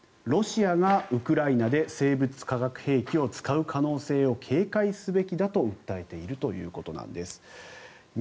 ロシアがウクライナで生物・化学兵器を使う可能性を警戒すべきだと訴えているということなんです。